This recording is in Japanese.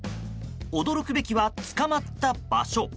驚くべきは捕まった場所。